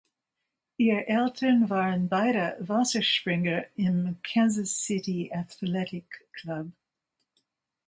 Ihr Eltern waren beide Wasserspringer im Kansas City Athletic Club.